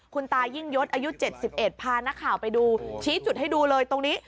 คุณตายิ่งยศอายุ๗๑พานักข่าวไปดูชี้จุดให้ดูเลยตรงนี้